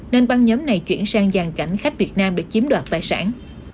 nên băng nhóm này chuyển sang giàn cảnh khách việt nam để chiếm đoạt tài sản